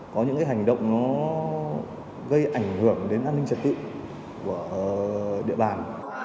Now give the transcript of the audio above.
có những hành động nó gây ảnh hưởng đến an ninh trật tự của địa bàn